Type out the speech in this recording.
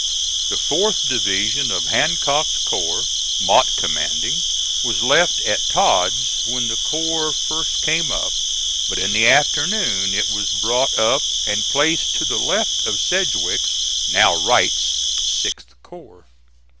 The fourth division of Hancock's corps, Mott commanding, was left at Todd's when the corps first came up; but in the afternoon it was brought up and placed to the left of Sedgwick's now Wright's 6th corps.